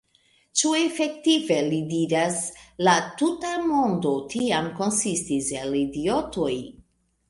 « Ĉu efektive », ili diras, « la tuta mondo tiam konsistis el idiotoj?"